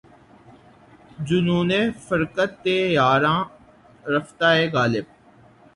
جنونِ فرقتِ یارانِ رفتہ ہے غالب!